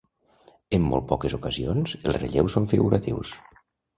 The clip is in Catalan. En molt poques ocasions, els relleus són figuratius.